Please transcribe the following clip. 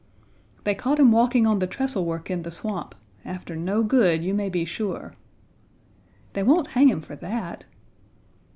"They caught him walking on the trestle work in the swamp, after no good, you may be sure." "They won't hang him for that!"